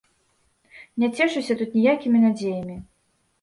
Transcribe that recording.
Не цешуся тут ніякімі надзеямі.